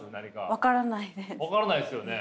分からないですよね。